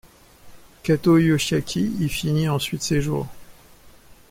Katō Yoshiaki y finit ensuite ses jours.